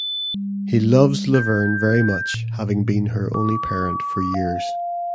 He loves Laverne very much, having been her only parent for years.